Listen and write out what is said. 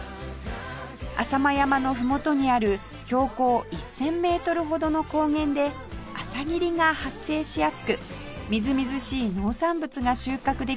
浅間山のふもとにある標高１０００メートルほどの高原で朝霧が発生しやすくみずみずしい農産物が収穫できると評判